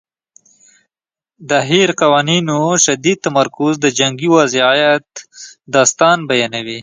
د هیر قوانینو شدید تمرکز د جنګي وضعیت داستان بیانوي.